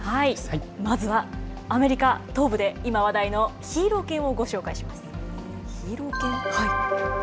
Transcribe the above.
まずはアメリカ東部で今、話題のヒーロー犬をご紹介します。